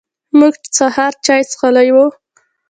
موږ سهار چای څښلی و.